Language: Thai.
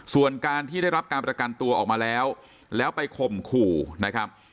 ส่วนการที่ได้รับการประกันตัวออกมาแล้วแล้วไปข่มขู่นะครับ